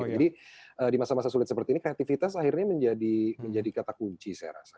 jadi di masa masa sulit seperti ini kreatifitas akhirnya menjadi kata kunci saya rasa